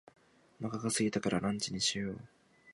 お腹が空いたからランチにしよう。